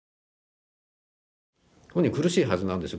本人苦しいはずなんですよ。